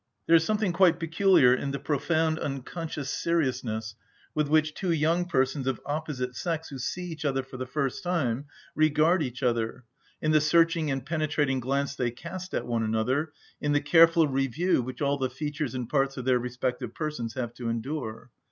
There is something quite peculiar in the profound unconscious seriousness with which two young persons of opposite sex who see each other for the first time regard each other, in the searching and penetrating glance they cast at one another, in the careful review which all the features and parts of their respective persons have to endure.